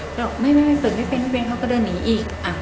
ก็บอกไม่เปิดไม่เป็นเขาก็เดินหนีอีก